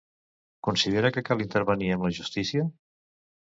Considera que cal intervenir amb la justícia?